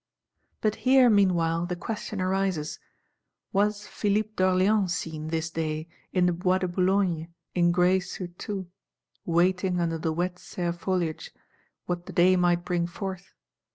But here, meanwhile, the question arises: Was Philippe d'Orléans seen, this day, "in the Bois de Boulogne, in grey surtout;" waiting under the wet sere foliage, what the day might bring forth?